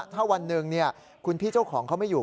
ถ้าวันหนึ่งคุณพี่เจ้าของเขาไม่อยู่